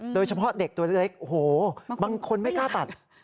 โดยเฉพาะเด็กตัวเล็กโอ้โหบางคนไม่กล้าตัด